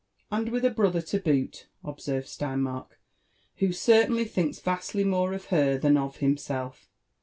And with a brotber to boot," observed Steinmark, "who cer tainly thinks vastly more of her than of himself.